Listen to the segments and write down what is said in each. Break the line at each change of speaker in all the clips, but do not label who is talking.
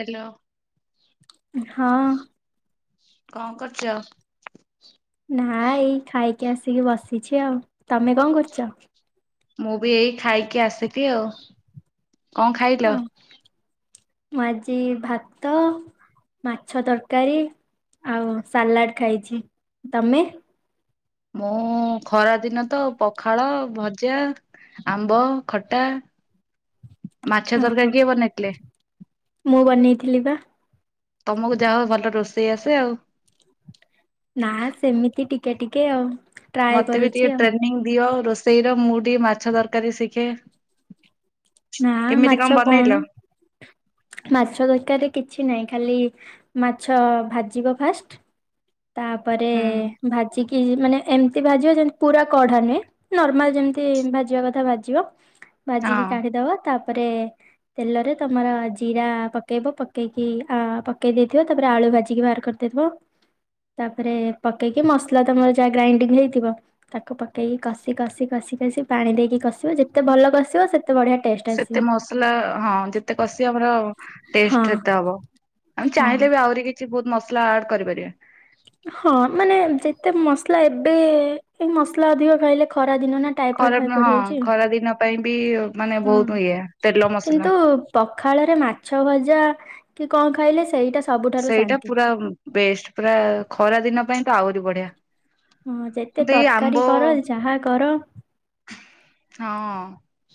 Hello.
ହଁ।
କଣ କରୁଚ?
ନା ଏଇ ଖାଇକି ଆସିକି ବସିଛି ଆଉ ତମେ କଣ କରୁଚ?
ମୁଁ ବି ଏଇ ଖାଇକି ଆସିଲି ଆଉ। କଣ ଖାଇଲ?
ଅ ମୁଁ ଆଜି ଭାତ ମାଛ ତରକାରୀ ଆଉ ସାଲାଡ୍ ଖାଇଛି ତମେ?
ମୁଁ ଖରା ଦିନ ତ ପଖାଳ ଭଜା ଆମ୍ବ ଖଟା ମାଛ
ଓହୋ।
ତରକାରୀ କିଏ ବନେଇଥିଲେ?
ମୁଁ ବନେଇଥିଲି ପା।
ତମକୁ ଯାହା ହଉ ଭଲ ରୋଷେଇ ଆସେ ଆଉ।
ନା ସେମିତି ଟିକେ ଟିକେ ଆଉ। ଟ୍ରାଏ
ମତେ ବି
କରୁଛି
ଟିକେ
ଆଉ।
ଟ୍ରେନିଂ ଦିଅ ରୋଷେଇ ର ମୁଁ ଟିକେ ମାଛ ତରକାରୀ ଶିଖେ।
ନା
କେମିତି
ମାଛ
କଣ ବନେଇଲ?
ମାଛ ଦରକାର କିଛି ନାହିଁ ଖାଲି ମାଛ ଭାଜିବ ଫାଷ୍ଟ। ତାପରେ
ହୁଁ
ଭାଜିକି ମାନେ ଏମିତି ଭାଜିବ ଯେମିତି ପୁରା କଢ଼ା ନୁହେଁ। ନର୍ମାଲ ଯେମିତି ଭାଜିବା କଥା ଭାଜିବ ଭାଜିକି
ହଁ
କାଢିଦବା ତାପରେ ତେଲରେ ତମର ଜିରା ପକେଇବ ପକେଇକି ପକେଇ ଦେଇଥିବ ତାପରେ ଆଳୁ ଭାଜିକି ବାହାର କରିଦେଇଥିବ। ତାପରେ ପକେଇକି ମସଲା ତମର ଯାହା ଗ୍ରାଇଣ୍ଡିଙ୍ଗ ହେଇଥିବ ତାକୁ ପକେଇକି କଷି, କଷି, କଷି, କଷି ପାଣି ଦେଇକି କଷିବ ଯେତେ ଭଲ କଷିବ ସେତେ ବଢିଆ ଟେଷ୍ଟ ଆସିବ।
ସେତେ ମସଲା ହଁ ଯେତେ କଷିବ ଆମର
ହଁ
ଟେଷ୍ଟରେତ ହବ ଆମେ
ହଁ।
ଚାହିଁଲେ ବି ଆହୁରି କିଛି ବହୁତ ମସଲା ଆଡ଼ କରିପାରିବା।
ହଁ ମାନେ ଯେତେ ମସଲା ଏବେ ଏ ମସଲା ଅଧିକ ଖାଇଲେ ଖରା ଦିନ ନା ଟାଇଫଏଡ,
ଖରା
ଫାଇଫଏଡ
ହଁ
ହଉଛି
ଖରା ଦିନ ପାଇଁ ବି ମାନେ
ହଁ
ବହୁତ ଇଏ ତେଲ ମସଲା
କିନ୍ତୁ ପଖାଳରେ ମାଛ ଭଜା କି କଣ ଖାଇଲେ ସେଇଟା ସବୁଠାରୁ
ସେଇଟା
ଶାନ୍ତି।
ପୁରା ବେଷ୍ଟ ପୁରା ଖରା ଦିନ ପାଇଁ ତ ଆହୁରି ବଢିଆ।
ହଁ ଯେତେ
ମତେ ଏଇ ଆମ୍ବ
ତରକାରୀ କର ଯାହା କର।
ହଁ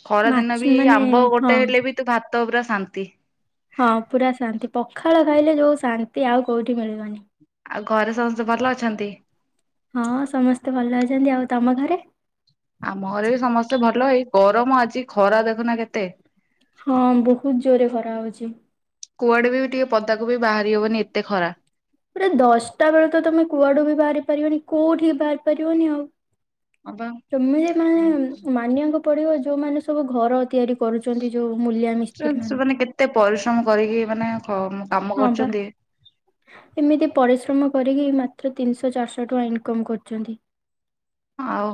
ଖରାଦିନ
ମାଛ
ବି ଏଇ
ମାନେ
ଆମ୍ବ
ହଁ
ଗୋଟେ ହେଲେ ବି ତୁ ଭାତ ପୁରା ଶାନ୍ତି।
ହଁ ପୁରା ଶାନ୍ତି ପଖାଳ ଖାଇଲେ ଯୋଉ ଶାନ୍ତି ଆଉ କୋଉଠି ମିଳିବନି।
ଆଉ ଘରେ ସମସ୍ତେ ଭଲ ଅଛନ୍ତି?
ହଁ ସମସ୍ତେ ଭଲ ଅଛନ୍ତି ଆଉ ତମ ଘରେ?
ଆମ ଘରେ ବି ସମସ୍ତେ ଭଲ ଏଇ ଗରମ ଆଜି ଖରା ଦେଖୁନା କେତେ?
ହଁ ବହୁତ ଜୋରରେ ଖରାହଉଛି।
କୁଆଡ଼େ ବି ଟିକେ ପଦାକୁ ବି ବାହାରି ହବନି ଏତେ ଖରା।
ପୁରା ଦଶଟା ବେଳେ ତ ତମେ କୁଆଡୁ ବି ବାହାରି ପାରିବନି କୋଉଠିକି ବି ବାହାରି ପାରିବନି ଆଉ।
ହଁ ପା।
ତମେ ଯେ ମାନେ ମାନିବାକୁ ପଡି଼ବ ଯୋଉମାନେ ସବୁ ଘର ତିଆରି କରୁଛନ୍ତି ଯୋଉ ମୂଲିଆ ମିସ୍ତ୍ରୀ ମାନେ।
ସେମାନେ କେତେ ପରିଶ୍ରମ କରିକି ମାନେ କାମ
ହଁ ବା
କରୁଚନ୍ତି।
ଏମିତି ପରିଶ୍ରମ କରିକି ମାତ୍ର ତିନିଶହ ଚାରିଶହ ଟଙ୍କା ଇନକମ କରୁଚନ୍ତି।
ଆଉ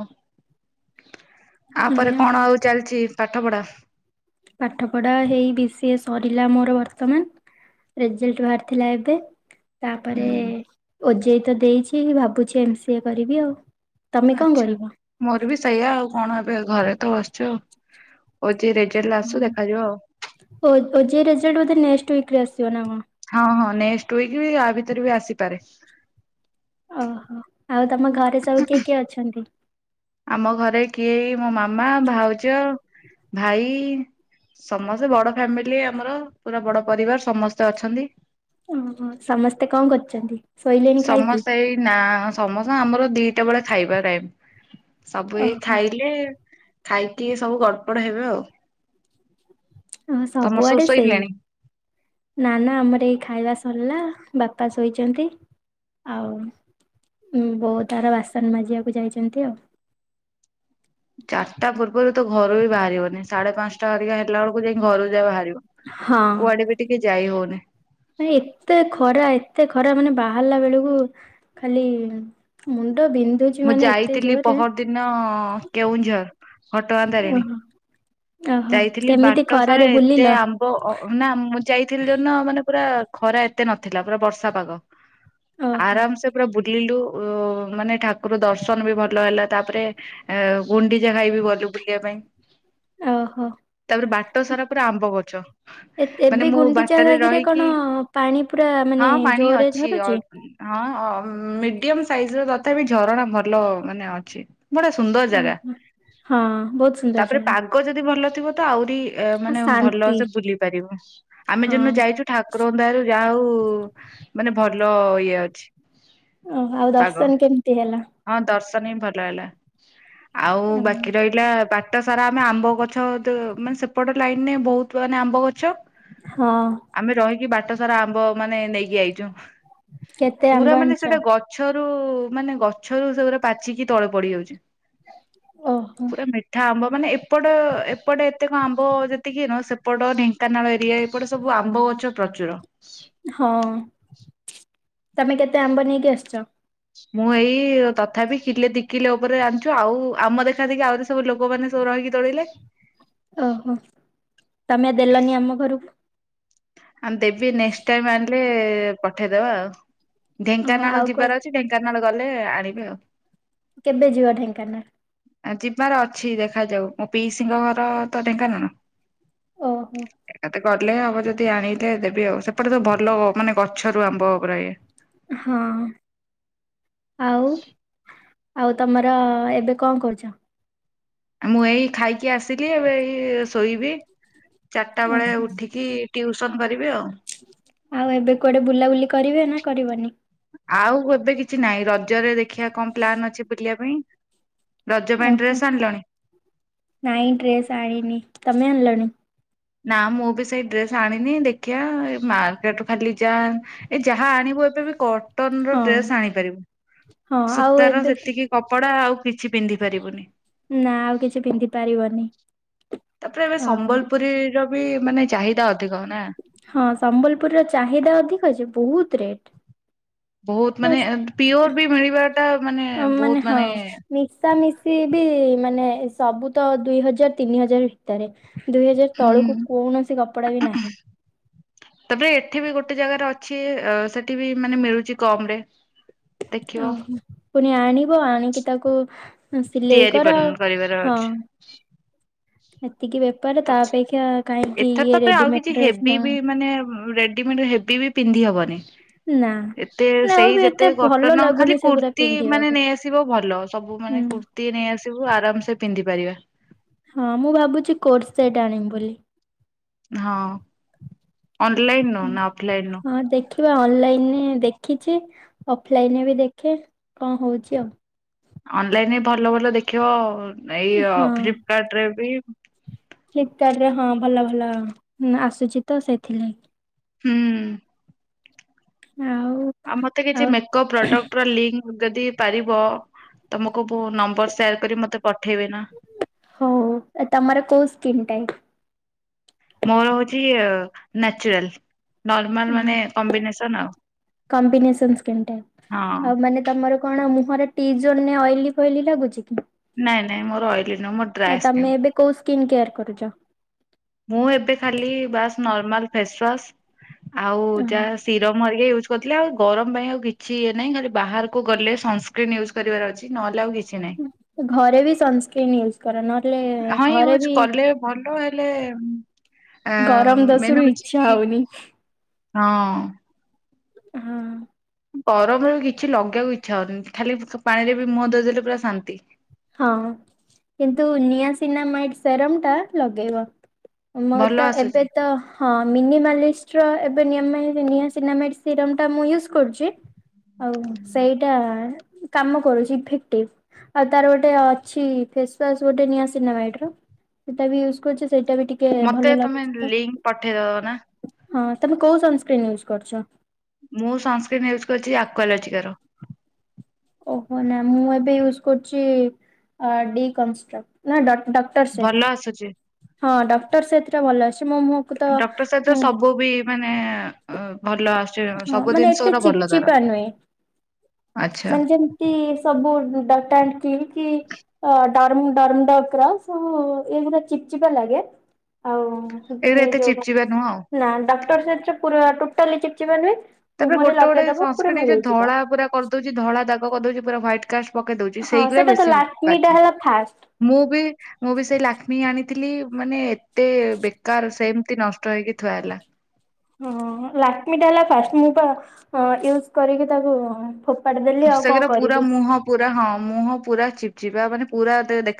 ଆପରେ
ଆଜ୍ଞା
କଣ ଆଉ ଚାଲିଚି ପାଠ ପଢା?
ପାଠ ପଢା ହେଇ ବିଶିଏ ସରିଲା ମୋର ବର୍ତ୍ତମାନ। ରେଜେଲ୍ଟ ବାହାରି ଥିଲା ଏବେ। ତାପରେ
ହୁଁ
ଓଜେଇ ତ ଦେଇଛି ଭାବୁଛି ଏମ ସିଏ କରିବି ଆଉ। ତମେ କଣ
ଆଚ୍ଛା
କରିବ?
ମୋର ବି ସେଇଆ ଆଉ କଣ ଏବେ ଘରେ ତ ବସିଛୁ ଆଉ। ଓଜେଇ ରେଜଲଟ ଆସୁ ଦେଖାଯିବ ଆଉ।
ଓଜେଇ ରେଜଲ୍ଟ ବଧେ ନେକ୍ସଟ ୱିକ ରେ ଆସିବ ନା କଣ?
ହଁ, ହଁ ନେକ୍ସଟ ୱିକ ବି ଆଭିତରେ ବି ଆସିପାରେ।
ଓହୋ ଆଉ ତମ ଘରେ ସବୁ କିଏ କିଏ ଅଛନ୍ତି?
ଆମ ଘରେ କିଏ ମୋ ମାମା ଭାଉଜ ଭାଇ। ସମସ୍ତେ ବଡ ଫ୍ୟାମିଲି ଆମର ପୁରା ବଡ ପରିବାର ସମସ୍ତେ ଅଛନ୍ତି।
ଓହୋ ସମସ୍ତେ କଣ କରୁଚନ୍ତି?
ସମସ୍ତେ ଏଇ ନା ସମସ୍ତ ଆମର ଦିଟା ବେଳେ ଖାଇବା ଟାଇମ। ସବୁ ଏଇ
ଓହୋ
ଖାଇଲେ। ଖାଇକି ଏ ସବୁ ଗଡପଡ ହେବେ ଆଉ।
ହଁ
ତମର ସବୁ
ସବୁଆଡେ ସେଇ।
ଶୋଇଲେଣି?
ନା -ନା ଆମର ଏଇ ଖାଇବା ସରଲା। ବାପା ଶୋଇଛନ୍ତି। ଆଉ ବୋଉ ତାର ବାସନ ମାଜିବାକୁ ଯାଇଛନ୍ତି ଆଉ।
ଚାରିଟା ପୂର୍ବରୁ ତ ଘରୁ ହି ବାହାରିବନି। ସାଢେ ପାଞ୍ଚଟା ହେରିକା ହେଲା ବେଳକୁ ଯାଇଁକି ଘରୁ ଯା ବାହାରିବ। କୁଆଡେ ବି ଟିକେ ଯାଇ ହଉନି।
ମାନେ ଏତେ ଖରା, ଏତେ ଖରା ମାନେ ବାହାରିଲା ବେଳକୁ ଖାଲି ମୁଣ୍ଡ ବିନ୍ଧ
ମୁଁ ଯାଇଥିଲି ପହରଦିନ କେଉଁଝର, ଘଟଗାଁ ତାରିଣୀ।
ଓହୋ ଓହୋ
ଯାଇଥିଲି
କେମିତି
ବାଟ ସାରା
ଖରାରେ
ଏତେ
ବୁଲିଲ
ଆମ୍ବ। ମ୍ବ ନା ମୁଁ ଯାଇଥିଲି ଯୋଉଦିନ ମାନେ ପୁରା ଖରା ଏତେ ନଥିଲା। ପୁରା ବର୍ଷା ପାଗ।
ଓହୋ
ଆରାମ ସେ ପୁରା ବୁ ଲିଲୁ। ମାନେ ଠାକୁର ଦର୍ଶନ ବି ଭଲ ହେଲା। ତାପରେ ଏ ଗୁଣ୍ଡିଚା ଘାଇବି ଗଲୁ ବୁଲିବା ପାଇଁ।
ଓହୋ।
ତାପରେ ବାଟ ସାରା ପୁରା ଆମ୍ବ ଗଛ।
ଏ
ମାନେ
ଏବେ
ମୁଁ
ଗୁଣ୍ଡିଚା
ବାଟରେ
ଘାଗିରେ କଣ
ରହିକି
ପାଣି ପୁରା ମାନେ
ହଁ ପାଣି
ଜୋରେ
ଅଛି
ଝରୁଛି।
ଅଳ୍ପ ହଁ ମିଡିୟମ ସାଇଜ ର ତଥାପି ଝରଣା ଭଲ ମାନେ ଅଛି। ବଢିଆ ସୁନ୍ଦର ଜାଗା।
ଓହୋ ହଁ ବହୁତ ସୁନ୍ଦର
ତାପରେ
ଜାଗା
ପାଗ ଯଦି ଭଲ ଥିବ ତ ଆହୁରି ଅ
ଆଉ
ମାନେ ଭଲ
ଶାନ୍ତି
ସେ ବୁଲି ପାରିବ। ଆମେ
ହଁ
ଯୋଉଦିନ ଯାଇଚୁ ଠାକୁରଙ୍କ ଦୟାରୁ ଯା ହଉ ମାନେ ଭଲ ଇଏ ଅଛି।
ଓହୋ, ଆଉ
ପାଗ
ଦର୍ଶନ କେମିତି ହେଲା?
ହଁ ଦର୍ଶନ ହିଁ ଭଲ ହେଲା। ଆଉ ବାକି ରହି ଲା ବାଟ ସାରା ଆମେ ଆମ୍ବ ଗଛ। ତ ମାନେ ସେପଟ ଲାଇନରେ ବହୁତ ମାନେ ଆମ୍ବ ଗଛ।
ହଁ।
ଆମେ ରହିକି ବାଟ ସାରା ଆମ୍ବ ମାନେ ନେଇକି ଆଇଚୁ।
କେତେ ଆମ୍ବ
ପୁରା ମାନେ
ଆଣିଛ
ସେଇଟା ଗ ଗଛରୁ ମାନେ ଗଛରୁ ସେଗୁରା ପାଚିକି ତଳେ ପଡି ଯାଉଚି।
ଓହୋ।
ମିଠା ଆମ୍ବ ମାନେ ଏପଟ -ଏପଟ ଏତେକ ଆମ୍ବ ଯେତିକି ନ, ସେପଟ ଢେଙ୍କ ଢେଙ୍କାନାଳ ଏରିଆ ଏପଟେ ସବୁ ଆମ୍ବ ଗଛ ପ୍ରଚୁର।
ହଁ। ତମେ କେତେ ଆମ୍ବ ନେଇକି ଆସିଛ?
ମୁଁ ଏଇ ତଥାପି କିଲେ ଦିିକିଲେ ଉପରେ ଆଣିଛୁ। ଆଉ ଆମ ଦେଖା ଦେଖି ଆହୁରି ସବୁ ଲୋକମାନେ ସବୁ ରହିକି ତୋଳିଲେ।
ଓହୋ। ତମେ ଦେଲନି ଆମ ଘରକୁ।
ହଁ ଦେବି। ନେକ୍ସଟ ଟାଇମ ଆଣିଲେ ପଠେଇଦବା ଆଉ।
ଓହୋ
ଢେଙ୍କାନାଳ
ଆଉ କୁଆଡେ
ଯିବାର ଅଛି ଢ଼େଙ୍କ ଢେଙ୍କାନାଳ ଗଲେ ଆଣିବି ଆଉ।
କେବେ ଯିବ ଢେଙ୍କାନାଳ?
ଆ ଯିବାର ଅଛି। ଦେଖାଯାଉ ମୋ ପିଇସିିଙ୍କ ଘର ତ ଢେଙ୍କାନାଳ।
ଓହୋ।
ଏଟା ତ ଗଲେ ହବ ଯଦି ଆଣିଲେ ଦେବି ଆଉ। ସେପଟେ ତ ଭଲ ମାନେ ଗଛରୁ ଆମ୍ବ ପୁରା ଇଏ।
ହଁ। ଆଉ? ଆଉ ତମର ଏବେ କଣ କରୁଛ?
ମୁଁ ଏଇ ଖାଇକି ଆସିଲି। ଏବେ ଇଏ ଶୋଇବି। ଚାରଟା ବେଳେ
ଓହୋ।
ଉଠିକି ଟିଉସନ୍ କରିବି ଆଉ।
ଆଉ ଏବେ କୁଆଡେ ବୁଲାବୁଲି କରିବେ ନା କରିବନି।
ଆଉ ଏବେ କିଛି ନାହିଁ। ରଜରେ ଦେଖିବା କଣ ପ୍ଲାନ ଅଛି ବୁଲିବା ପାଇଁ। ରଜ ପାଇଁ
ଓହୋ
ଡ୍ରେସ୍ ଆଣିଲଣି?
ନାଇଁ ଡ୍ରେସ ଆଣିନି। ତମେ ଆଣିଲଣି?
ନା ମୁଁ ବି ସେଇ ଡ୍ରେସ୍ ଆଣିନି ଦେଖିବା ଏ ମାର୍କେଟ ଖାଲି ଯା ଏ ଯାହା ଆଣିବୁ ଏବେ ବି କଟନ୍ ର
ହଁ
ଡ୍ରେସ ଆଣିପାରିବୁ।
ହଁ ଆଉ
ସୂତାର
ଏବେ ତ-
ସେତିକି କପଡା ଆଉ କିଛି ପିନ୍ଧି ପାରିବୁନି।
ନା ଆଉ କିଛି ପିନ୍ଧି ପାରିବନି।
ତାପରେ ଏବେ
ହଁ
ସମ୍ବଲପୁରୀର ବି ମାନେ ଚାହିଦା ଅଧିକ ନା।
ହଁ, ସମ୍ବଲପୁର ର ଚାହିଦା ଅଧିକ ଅଛି। ବହୁତ ରେଟ୍।
ବହୁତ ମାନେ ପିଓର ବି ମିଳିବା
ହଁ ମାନେ ହଁ। ମିଶା ମିଶି ବି ମାନେ ସବୁ ତ ଦୁଇ ହଜାର, ତିନି ହଜାର। ଭିତରେ, ଦୁଇ ହଜାର
ହୁଁ
ତଳକୁ କୌଣସି କପଡା ବି ନାହିଁ।
ତାପରେ ଏଠି ବି ଗୋଟେ ଜାଗାରେ ଅଛି। ଅ ସେଠି ବି ମାନେ ମିଳୁଛି କମ୍ ରେ। ଦେଖିବ।
ଓହୋ ପୁଣି ଆଣିବ ଆଣିକି ତାକୁ ସିଲେଇ
ତିଆରି
କର।
କରିବାର
ହଁ
ଅଛି
ହେତିକି ବେପାର
ତ
ତା ଅପେକ୍ଷା କାହିଁକି
ଏଥରତ
ଇଏ
ତାପରେ ଆଉ
ରେଡିମେଡ
କିଛି
ଡ୍ରେସ ନ
ହେଭି ବି
ଆଣି-
ମାନେ ରେଡିମେଡ୍ ହେ ଭୀ ବି ପିନ୍ଧି ହବନି।
ନା।
ଏତେ
ନା ଆଉ
ସେଇ
ବି ଏତେ
ଯେତେ
ଭଲ
କଟନ
ଲାଗୁନି
ଖାଲି
ସେଗୁରା
କୁର୍ତ୍ତିୀ ମାନେ
ପିନ୍ଧିବାକୁ
ନେଇଆସିବ ଭଲ ସବୁ
ହୁଁ
ମାନେ କୁର୍ତି ର୍ତ୍ତି ନେଇ ଆସିବୁ ଆରାମ ସେ ପିନ୍ଧି ପାରିବା।
ହଁ, ମୁଁ ଭାବୁଛି କୋର୍ଟ ସେଟ୍ ଆଣିବି ବୋଲି।
ହଁ, ଅନ୍ଲାଇନ୍ ରୁ ନା ଅଫଲାଇନ୍ ରୁ।
ହଁ ଦେଖିବା ଅନଲାଇନରେ ଦେଖିଛି ଅଫଲାଇନରେ ବି ଦେଖେ କଣ ହଉଛି ଆଉ।
ଅନଲାଇନରେ ଭଲ ଭଲ ଦେଖେଇବ ଏଇ ଅ
ହଁ
ଫ୍ଲିପକାର୍ଟ ରେ ବି।
ଫ୍ଲିପକାର୍ଟ ରେ ହଁ, ଭଲ ଭଲ ଆସୁଛି ତ ସେଇଥିଲାଗି।
ହୁଁ।
ଆଉ?
ଆ ମତେ କିଛି
ଆଉ
ମେକଅପ୍ ପ୍ରଡକ୍ଟ ର ଲିଙ୍କ୍ ଯଦି ପାରିବ ତମକୁ ବୋ ନମ୍ବର ସେୟାର କରି ମତେ ପଠେଇବେ ଏନା।
ହଉ ତମର କୋଉ ସ୍କିନ୍ ଟାଇପ୍?
ମୋର ହଉଛି ଅ ନେଚୁରାଲ୍।
ହୁଁ, କମ୍ବିନେସନ୍ ସ୍କିନ୍ ଟା
ହଁ
ଆଉ ମାନେ ତମର କଣ ମୁହଁରେ ଟି ଜୋନ ପାଇଁ ଅଏଲି ଫଏଲି ଲାଗୁଛି କି?
ନାଇଁ ନାଇଁ ମୋର ଅଏଲି ନୁହଁ। ମୋର
ଆ
ଡ୍ରାଏ ସ୍କିନ୍।
ତମେ ଏବେ କୋଉ ସ୍କିନ୍ କେୟାର କରୁଛ?
ମୁଁ ଏବେ ଖାଲି ବାସ୍ ନର୍ମାଲ ଫେସୱାସ। ଆଉ
ଅ
ଯାହା ସିରମ୍ ହରିକା ଇଉଜ୍ ଥିଲି, ଆଉ ଗରମ ପାଇଁ ଆଉ କିଛି ଇଏ ନାଇଁ ଖାଲି ବାହାରକୁ ଗଲେ ସନ୍ ସ୍କ୍ରିନ ୟୁଜ୍ କରିବାର ଅଛି ନହେଲେ ଆଉ କିଛି ନାହିଁ।
ଘରେ ବି ସନ୍ସ୍ କ୍ରିମ ୟୁଜ କରେ। ନହେଲେ
ହଁ
ଘରେ
ୟୁଜ୍
ବି
କଲେ ଭଲ ହେଲେ, ଆ
ଗରମ
ମେନ୍
ଦୋଷରୁ
ହଉଛି
ଇଚ୍ଛା
କି
ହଉନି।
ହଁ।
ହଁ।
ଗରମରେ ବି କିଛି ଲଗେଇଆକୁ ଇଚ୍ଛା ହଉନି। ଖାଲି ପାଣିରେ ବି ମୁହଁ ଧୋଇଦେଲେ ପୁରା ଶାନ୍ତି।
ହଁ କିନ୍ତୁ ନିଆ ସିନାମାଇଟ ସେରମ ଟା ଲଗେଇବ। ମୋର
ଭଲ
ତ ଏବେ
ଆସୁଛି।
ତ ହଁ ମିନିମାଲିଷ୍ଟର ଏବେ ନିଆମାଇ ନିଆସିନାମାଇସିଟ୍ ର ସିରମ ଟା ମୁଁ ୟୁଜ୍ କରୁଚି ଆଉ ସେଇଟା କାମ କରୁଚି ଇଫେକ୍ଟିଭ। ଆଉ ତାର ଗୋଟେ ଅଛି ଫେସୱାସ୍ ଗୋଟେ ନିଆସିନାମାଇଡ୍ ର ସେଇଟା ବି ୟୁଜ୍ କରୁଚି ସେଇଟା ବି ଟି ଟିକେ
ମତେ
ଭଲ
ତମେ
ଲାଗୁଚି ତ
ଲିଙ୍କ ପଠେଇଦବ ନା
ହଁ ତମେ କୋଉ ସନ୍ ସ୍କ୍ରିନ୍ ୟୁଜ୍ କରୁଚ?
ମୁଁ ସନ୍ ସ୍କ୍ରିନ୍ ୟୁଜ୍ କରୁଚି ଆକ୍ୱାଲୋଜିକାର
ଓହୋ ନା ମୁଁ ଏବେ ୟୁଜ୍ କରୁଚି ଅ ଡି଼ କଷ୍ଟ୍ରକ ନା ଡ଼ ଡଟ୍।
ଭଲ ହସୁଚି।
ହଁ ଡ଼କ୍ଟର ସେଥିରେ ଭଲ ଆସୁଚି ମୋ ମୁ
ଡ଼କ୍ଟର ସହିତ ସବୁ ବି ମାନେ ଆଁ ‌ଭଲ ଆସୁ
ହଁ ମାନେ ଏତେ ଚିପ୍ ଚିପା ନୁହେଁ
ଆଚ୍ଛା
ମାନେ ଯେମ୍ କି ସବୁ ଡାଟା ଆଣ୍ଡ୍ କ୍ଲିକ୍ କି ଅ ଡର୍ମଡର୍ମଡକ୍ ର ସବୁ ଏଗୁରା ଚିପ୍ ଚିପା ଲାଗେ। ଆଉ
ଏଇରା ଏତେ ଚିପଚିପା ନୁହଁ ଆଉ।
ନା ଡକ୍ଟର ସେଥିରେ ପୁରା ଟୋଟାଲିି ଚିପ୍ ଚିପ୍ ନୁହଁ।
ତାପରେ ଗୋଟେ ଗୋଟେ ସନସ୍କିଟ୍ ଏଯୋଇ ଧଳା ପୁରା କରିଦଉଚି ଧଳା ଦାଗ କରିଦଉଚି ପୁରା ହ୍ୱାଇଟ୍ କାଷ୍ଟ। ପକେଇ ଦଉଚି
ହଁ
ସେଇଗୁରା
ସେଟା ତ
ବେଶୀ
ଲାକ୍ମିଟା
ବାଜି।
ହେଲା ଫାଷ୍ଟ।
ମୁଁ ବି ମୁଁ ବି ସେଇ ଲାକ୍ଷ୍ମୀ ଆଣିଥିଲି ମାନେ ଏତ୍ ଏତେ ବେକାର ସେମିତି ନଷ୍ଟ ହେଇକି ଥୁଆ ହେଲା।
ହଁ ଲାକ୍ଷ୍ମୀଟା ହେଲା ଫାଷ୍ଟ ମୁଁ ତ ୟୁଜ୍ କରିକି ତାକୁ ଫୋ ଫୋପାଡ଼ି ଦେଲି ଆଉ କଣ
ସେଗୁରା ପୁରା
କରିବି?
ମୁହଁ ପୁରା ହଁ ମୁହଁ ପୁରା ଚିପ୍ ଚିପା ମାନେ ପୁରା ଦେ ଦେଖ୍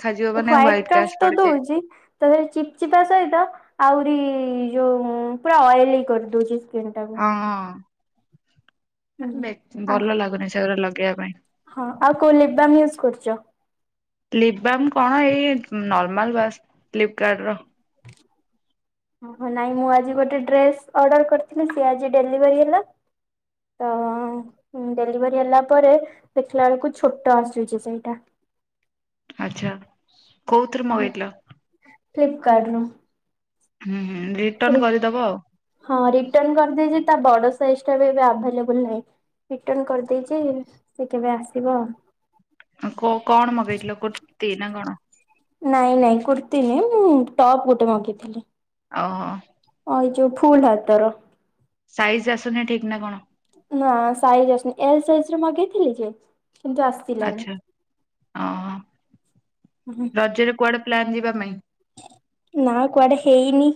‍ହ୍ଵାଇଟ୍ କାଷ୍ଟ ତ ଦଉଚି ତା [unintelligible] ଚିପ୍ ଚିପା ସହିତ ଆହୁରି ଯୋଉ ପୁରା ଅଏଲିକ କରିଦଉଚି ସ୍କିନ୍ ଟା।
ହଁ ବେ
ହୁଁ ଆଉ
ଭଲ ଲାଗୁନି ସଗୁରା ଲଗେଇବା ପାଇଁ।
ହଁ ଆଉ କୋଉ ଲିିପ୍ ବାମ ୟୁଜ୍ କରୁଚ?
ଲିପବାମ କଣ ଏଇ ନର୍ମାଲ ବାସ୍ ଫ୍ଲିପକାର୍ଡ ର।
ଓହୋ ନାଇଁ ମୁଁ ଆଜି ଗୋଟେ ଡ୍ରେସ ଅର୍ଡର କରିଥିଲି ସେ ଆଜି ଡେଲିଭରି ହେଲା। ତ ଡେଲିଭରି ହେଲା ପରେ ଦେଖିଲା ବେଳକୁ ଛୋଟ ଆସୁଚି ସେଇଟା।
ଆଚ୍ଛା କୋଉଥିରୁ ମଗେଇଥିଲ?
ଫ୍ଲିପକାର୍ଡରୁ।
ହୁଁ ହୁଁ ରିଟର୍ନ କରିଦବ ଆଉ।
ହଁ ରିଟର୍ନ କରିଦେଇଚି ତା ବଡ ସାଇଜ୍ ଟା ବି ଏବେ ଆଭେଲେବୁଲ ନାହିଁ। ରିଟର୍ନ କରିଦେଇଚି ସେ କେବେ ଆସିବ।
କ କଣ ମଗେଇଥିଲ କୁର୍ତ୍ତୀ ନା କଣ?
ନାଇଁ ନାଇଁ କୁର୍ତ୍ତୀ ନୁହେଁ ମୁଁ ଟପ୍ ଗୋଟେ ମଗେଇଥିଲି।
ଓହୋ।
ହଁ ଏଇ ଯୋଉ ଫୁଲ୍ ହାତର।
ସାଇଜ୍ ଆସୁନି ଠିକ୍ ନା କଣ?
ନା ସାଇଜ ଆସୁନି ଏଲ ସାଇଜରେ ମଗେଇଥିଲି ଯେ କିନ୍ତୁ ଆସି
ଆଚ୍ଛା ଓ ରଜରେ କୁଆଡେ ପ୍ଲାନ ଯିବା ପାଇଁ?
ନା କୁଆଡ଼େ ହେଇନି।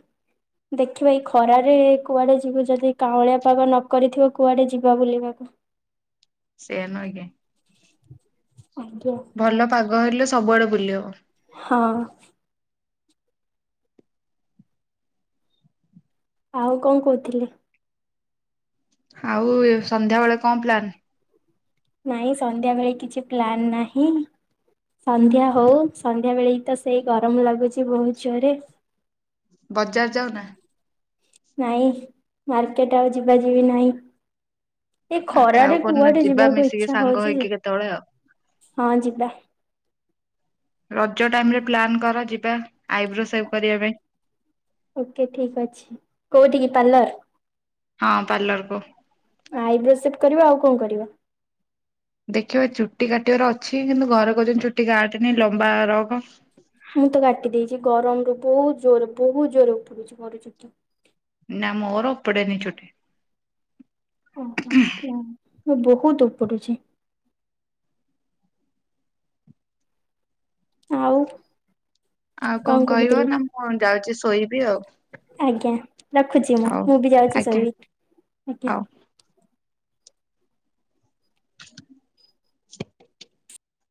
ଦେଖିବା ଏଇ ଖରାରେ କୁଆଡେ ଯିବୁ ଯଦି କାଉଁଳିଆ ପାଗ ନକରିଥିବ କୁଆଡେ ଯିବା ବୁଲିବାକୁ।
ସେଇଆ ନୁହେଁ କି।
ଆଜ୍ଞା।
ଭଲ ପାଗ ହେଲେ ସବୁଆଡ଼େ ବୁଲି ହେବ।
ହଁ। ଆଉ କଣ କହୁଥିଲେ?
ଆଉ ଏ ସନ୍ଧ୍ୟାବେଳେ କଣ ପ୍ଲାନ?
ନାଇଁ ସନ୍ଧ୍ୟାବେଳେ କିଛି ପ୍ଲାନ ନାହିଁ। ସନ୍ଧ୍ୟା ହଉ ସନ୍ଧ୍ୟା ବେଳେ ଏଇତ ସେଇ ଗରମ ଲାଗୁଛି ବହୁତ ଜୋରରେ।
ବଜାର ଯାଉନା।
ନାଇଁ ମାର୍କେଟ ଆଉ ଯିବା ଯିବି ନାହିଁ। ଏଇ
ଆଚ୍ଛା ଆଉ
ଖରାରେ
କଣ
କୁଆଡେ
ଯିବା
ଯିବାକୁ
ମିଶିକି
ଇଛା
ସାଙ୍ଗ
ହଉଛି
ହେଇକି
ଯେ
କେତେବେଳେ ଆଉ।
ହଁ ଯିବା।
ରଜ ଟାଇମ୍ ରେ ପ୍ଲାନ୍ କର ଯିବା ଆଇବ୍ରୋ ସେବ୍ କରିବା ପାଇଁ।
ଓକେ ଠିକ୍ ଅଛି କୋଉଠି କି ପାର୍ଲର।
ହଁ ପାର୍ଲର କୁ।
ଆଇବ୍ରୋ ସେବ୍ କରିବ। ଆଉ କଣ କରିବ?
ଦେଖିବା ଚୁଟି କାଟିବାର ଅଛି କିନ୍ତୁ ଘରେ କହୁଛନ୍ତି ଚୁଟି କାଟେନି ଲମ୍ବା ରଖ।
ମୁଁ ତ କାଟି ଦେଇଛି ଗରମରୁୁ ବହୁତ ଜୋରରେ ବହୁତ ଜୋରରେ ଉପୁଡୁଛି ମୋର ଚୁଟି।
ନା ମୋର ଓପୋଡ଼େ ନି ଚୁଟି
ଓହୋ
[unintelligible]
ହୁଁ, ମୁଁ ବହୁତ ଉପୁଡୁଛି। ଆଉ।
ଆଉ କଣ କହିବ ନା ମୁଁ ଯାଉଛି ଶୋଇବି ଆଉ।
ଆଜ୍ଞା ରଖୁଛି ମୁଁ
ହଉ
ମୁଁ ବି ଯାଉଛି
ଆଜ୍ଞା
ଶୋଇବି ଆଜ୍ଞା।
ହଉ। [inaudible]